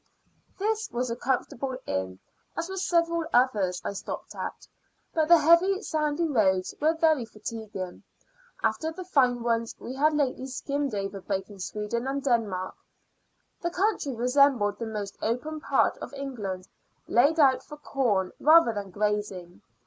This was a comfortable inn, as were several others I stopped at; but the heavy sandy roads were very fatiguing, after the fine ones we had lately skimmed over both in Sweden and Denmark. The country resembled the most open part of England laid out for corn rather than grazing.